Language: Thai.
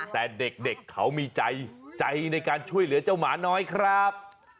แต่เด็กเขามีใจในการช่วยเหลือเจ้าหมาน้อยครับ